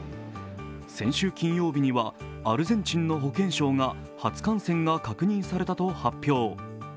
先週金曜日にはアルゼンチンの保健省が初感染が確認されたと発表。